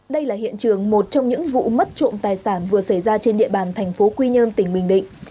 đây là hiện trường một trong những vụ mất trộm tài sản vừa xảy ra trên địa bàn thành phố quy nhơn tỉnh bình định